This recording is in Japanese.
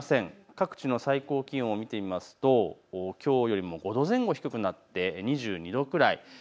各地の最高気温を見てみますときょうよりも５度前後低くなって２２度くらい。